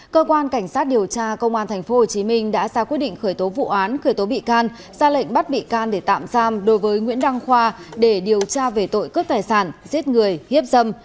cơ quan cảnh sát điều tra công an tp hcm đã ra quyết định khởi tố vụ án khởi tố bị can ra lệnh bắt bị can để tạm giam đối với nguyễn đăng khoa để điều tra về tội cướp tài sản giết người hiếp dâm